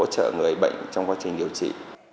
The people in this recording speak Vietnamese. để bệnh trong quá trình điều trị